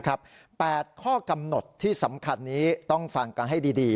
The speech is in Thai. ๘ข้อกำหนดที่สำคัญนี้ต้องฟังกันให้ดี